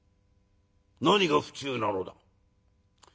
「何が不忠なのだ？」。